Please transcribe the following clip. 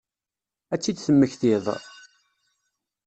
Ad tt-id-temmektiḍ?